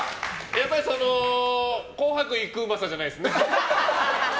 やっぱり、「紅白」に行くうまさじゃないですね。